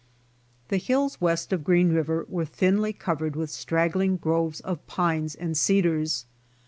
The hills west of Green river were thinly covered with straggling groves of pines and cedars.